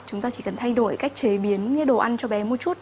chúng ta chỉ cần thay đổi cách chế biến đồ ăn cho bé một chút